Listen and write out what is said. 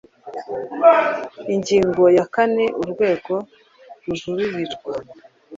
ingingo ya kane urwego rujuririrwa